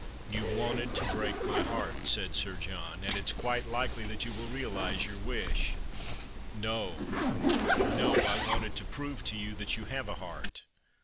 " You wanted to break my heart," said Sir John, " and it's quite likely that you will realize your wish." 238 The Christmas Hirelings. " No, 110. I wanted to prove to you that you have a heart."